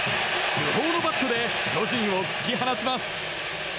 主砲のバットで巨人を突き放します。